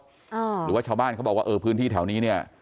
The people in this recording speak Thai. หรือว่าชาวบ้านเขาบอกว่าเออพื้นที่แถวนี้เนี่ย